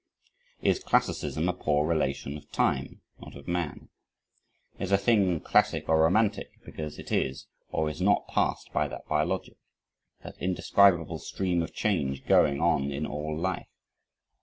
Is Classicism a poor relation of time not of man? Is a thing classic or romantic because it is or is not passed by that biologic that indescribable stream of change going on in all life?